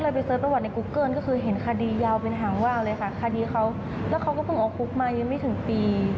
และเค้าก็เพิ่งออกคุกมายังไม่ถึงปี